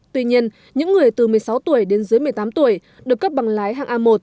tuy nhiên những người từ một mươi sáu tuổi đến dưới một mươi tám tuổi được cấp bằng lái hàng a một